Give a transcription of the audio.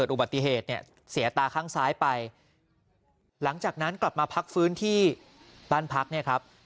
อุบัติเหตุเนี่ยเสียตาข้างซ้ายไปหลังจากนั้นกลับมาพักฟื้นที่บ้านพักเนี่ยครับ